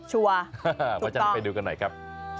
ชัวร์ถูกต้องมานับไปดูกันหน่อยครับ